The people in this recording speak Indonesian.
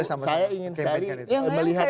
saya ingin sekali melihat